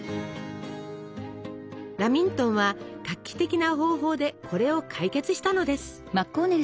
ラミントンは画期的な方法でこれを解決したのです。